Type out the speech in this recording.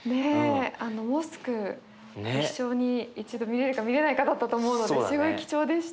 あのモスク一生に一度見れるか見れないかだったと思うのですごい貴重でした。